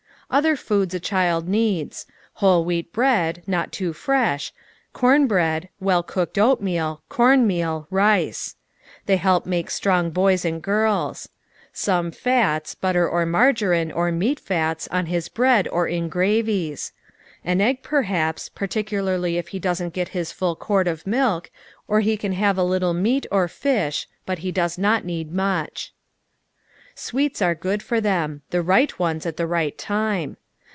Other foods a child needs: Whole wheat bread, not too fresh, com bread, well cooked oatmeal, com meal, rice. They help make strong boys and giris. Some fats, butter or margarine or meat fats on his bread or in gravies. An egg, perhaps, particularly if he doesn't get his full quart of milk, or he can have a little meat or fish, but he does not need m.uch. Sweets are good for them ŌĆö the right ones at the right time.